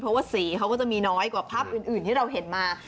เพราะว่าสีเขาก็จะมีน้อยกว่าภาพอื่นที่เราเห็นมา